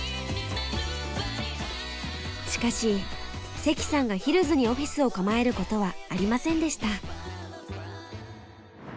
しかし関さんがヒルズにオフィスを構えることはありませんでした。